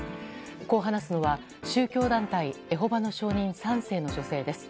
こう話すのは、宗教団体エホバの証人３世の女性です。